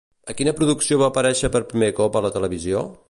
A quina producció va aparèixer per primer cop a la televisió?